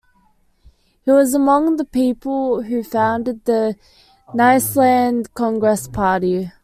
He was among the people who founded the Nyasaland Congress Party.